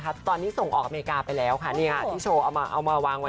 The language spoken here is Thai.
พ่อหนูพี่บ๊อบนี้ส่งออกอเมริกาไปแล้วค่ะนี่ค่ะที่โชว์นี้เอามาวางไว้